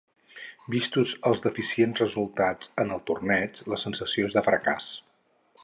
Vistos els deficients resultats en el torneig, la sensació és de fracàs.